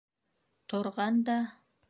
Торған да: